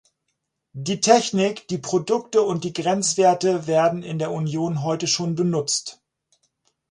Die Technik, die Produkte und die Grenzwerte werden in der Union heute schon benutzt.